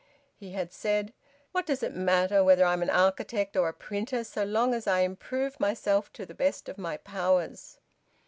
He had said: "What does it matter whether I am an architect or a printer, so long as I improve myself to the best of my powers?"